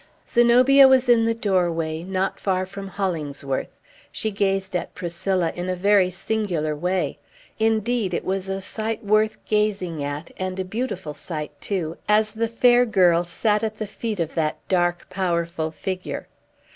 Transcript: Zenobia was in the doorway, not far from Hollingsworth. She gazed at Priscilla in a very singular way. Indeed, it was a sight worth gazing at, and a beautiful sight, too, as the fair girl sat at the feet of that dark, powerful figure.